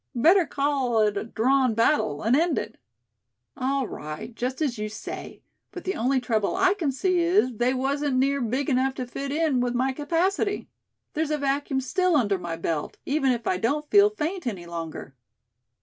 Better call it a drawn battle, and end it." "All right, just as you say; but the only trouble I can see is they wasn't near big enough to fit in with my capacity. There's a vacuum still under my belt; even if I don't feel faint any longer."